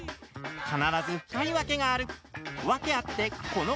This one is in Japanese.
必ず深い、ワケがある！